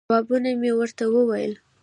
ځوابونه مې ورته وویل.